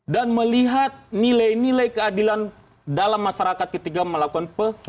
dan melihat nilai nilai keadilan dalam masyarakat ketika melakukan peputusan